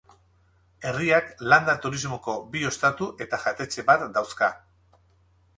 Herriak landa-turismoko bi ostatu eta jatetxe bat dauzka.